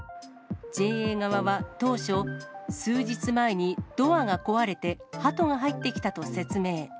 ＪＡ側は当初、数日前にドアが壊れて、ハトが入ってきたと説明。